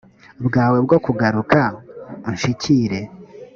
bwawe bwo kuragura p unshikire